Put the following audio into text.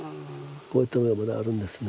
こういったものがまだあるんですね。